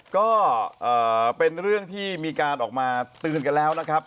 ก็เป็นเรื่องที่มีการออกมาเตือนกันแล้วนะครับ